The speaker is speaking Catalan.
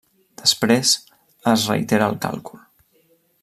Després, es reitera el càlcul.